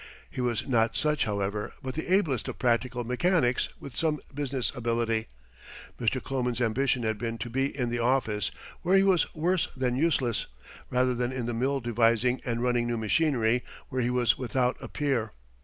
He was not such, however, but the ablest of practical mechanics with some business ability. Mr. Kloman's ambition had been to be in the office, where he was worse than useless, rather than in the mill devising and running new machinery, where he was without a peer.